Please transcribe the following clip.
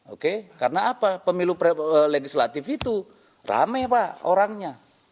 oke karena apa pemilu legislatif itu rame pak orangnya